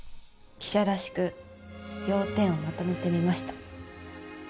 記者らしく要点をまとめてみました。